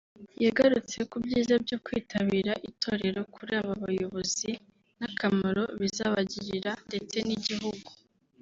yagarutse ku byiza byo kwitabira itorero kuri aba bayobozi n’akamaro bizabagirira ndetse n’igihugu